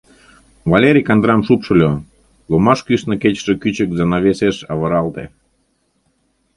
Валерий кандырам шупшыльо, ломаш кӱшнӧ кечыше кӱчык занавесеш авыралте.